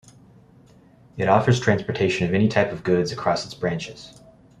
It offers transportation of any type of goods across its branches.